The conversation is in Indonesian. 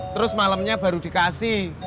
terus malemnya baru dikasih